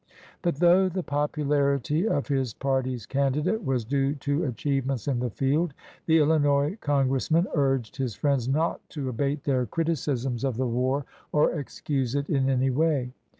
But though the popularity of his party's candidate was due to achievements in the field, the Illinois congressman urged his friends not to abate their criticisms of the war 154 IN CONGRESS or excuse it in any way.